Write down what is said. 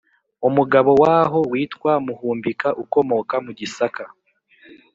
Umugabo waho witwa muhumbika ukomoka mu gisaka